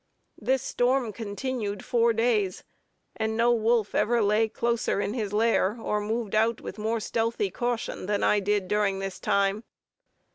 This storm continued four days; and no wolf ever lay closer in his lair, or moved out with more stealthy caution than I did during this time.